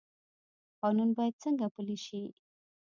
قانون باید څنګه پلی شي؟